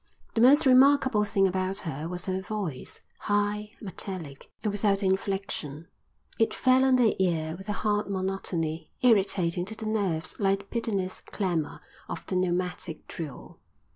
The most remarkable thing about her was her voice, high, metallic, and without inflection; it fell on the ear with a hard monotony, irritating to the nerves like the pitiless clamour of the pneumatic drill.